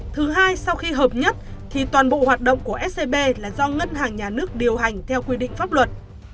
thứ hai sau khi hợp nhất thì toàn bộ hoạt động của scb là do ngân hàng nhà nước điều hành theo quy định pháp luật